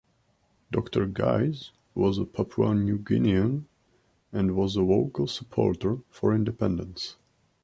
Doctor Guise was a Papua New Guinean and was a vocal supporter for independence.